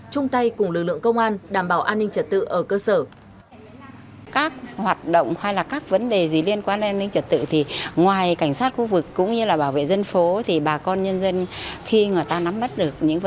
chung tay cùng lực lượng công an đảm bảo an ninh trật tự ở cơ sở